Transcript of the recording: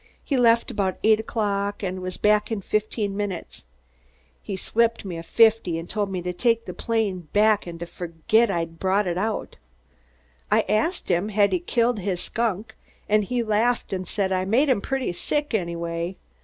He left about eight o'clock and was back in fifteen minutes. He slipped me a fifty and told me to take the plane back an' to forgit 'at I'd brought it out. I ast him had he killed his skunk an' he laughed an' said, 'I made him pretty sick anyway.'